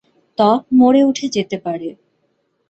ত্বক মরে উঠে যেতে পারে।